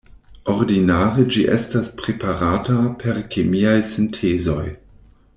Ordinare ĝi estas preparata per kemiaj sintezoj.